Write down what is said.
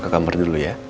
ke kamar dulu ya